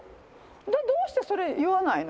どうしてそれを言わないの？